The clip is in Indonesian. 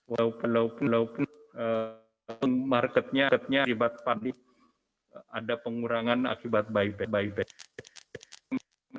walaupun marketnya ribet padi ada pengurangan akibat baik baik